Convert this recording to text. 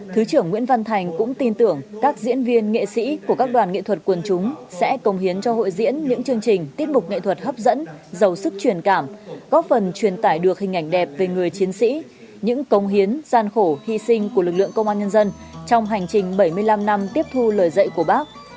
thứ trưởng nguyễn văn thành cũng tin tưởng các diễn viên nghệ sĩ của các đoàn nghệ thuật quần chúng sẽ công hiến cho hội diễn những chương trình tiết mục nghệ thuật hấp dẫn giàu sức truyền cảm góp phần truyền tải được hình ảnh đẹp về người chiến sĩ những công hiến gian khổ hy sinh của lực lượng công an nhân dân trong hành trình bảy mươi năm năm tiếp thu lời dạy của bác